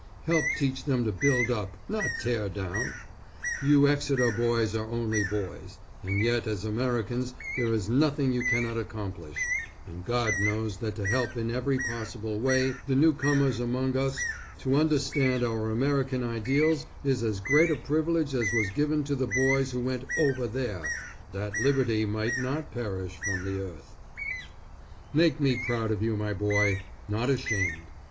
Help teach them to build up, not tear down. You Exeter boys are only boys, and yet as Americans there is nothing you cannot accomplish; and God knows that to help in every possible way, the newcomers among us, to understand our American ideals is as great a privilege as was given to the boys who went "over there," that liberty might not perish from the earth. Make me proud of you my boy, not ashamed.